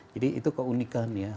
jadi itu keunikan ya